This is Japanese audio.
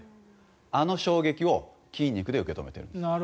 あの衝撃を筋肉で受け止めているんです。